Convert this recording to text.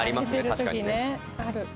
確かにね。